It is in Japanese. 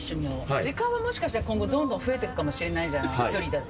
時間はもしかしたら、今後どんどん増えてくるかもしれないじゃない、１人だと。